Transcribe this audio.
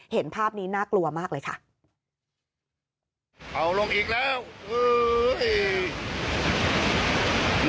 เห็นภาพนี้น่ากลัวมากเลยค่ะเอาลงอีกแล้วเฮ้ย